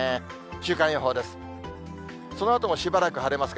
週間予報です。